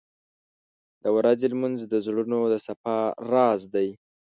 • د ورځې لمونځ د زړونو د صفا راز دی.